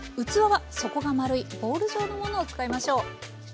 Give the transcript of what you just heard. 器は底が丸いボウル状のものを使いましょう。